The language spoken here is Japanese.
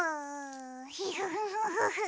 フフフフフ。